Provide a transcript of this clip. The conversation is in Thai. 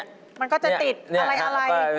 มันก็จะติดอะไร